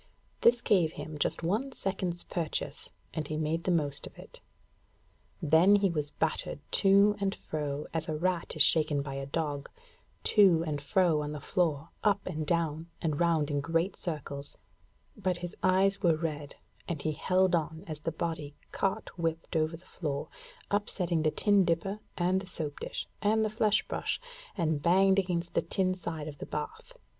This gave him just one second's purchase, and he made the most of it. Then he was battered to and fro as a rat is shaken by a dog to and fro on the floor, up and down, and round in great circles; at his eyes were red, and he held on as the body cart whipped over the floor, upsetting the tin dipper and the soap dish and the flesh brush, and banged against the tin side of the bath.